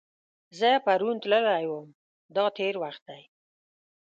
زه پرون تللی وم – دا تېر وخت دی.